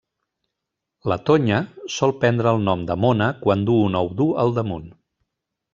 La tonya sol prendre el nom de mona quan du un ou dur al damunt.